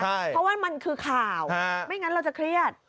เพราะว่ามันคือข่าวไม่งั้นเราจะเครียด